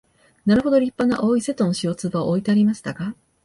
なるほど立派な青い瀬戸の塩壺は置いてありましたが、